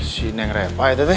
si neng repah itu teh